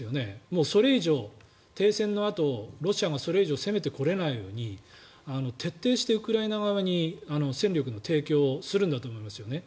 もうそれ以上、停戦のあとロシアがそれ以上攻めてこれないように徹底してウクライナ側に戦力の提供をするんだと思いますよね。